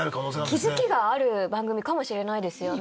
気付きがある番組かもしれないですよね。